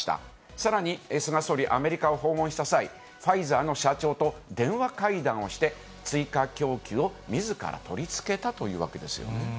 さらに菅総理、アメリカを訪問した際、ファイザーの社長と電話会談をして、追加供給をみずから取り付けたというわけですよね。